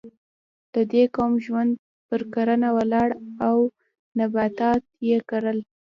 د دې قوم ژوند پر کرنه ولاړ و او نباتات یې کرل.